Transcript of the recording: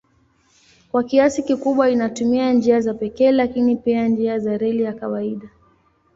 Kwa kiasi kikubwa inatumia njia za pekee lakini pia njia za reli ya kawaida.